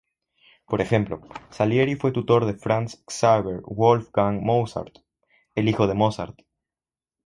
Por ejemplo, Salieri fue tutor de Franz Xaver Wolfgang Mozart, el hijo de Mozart.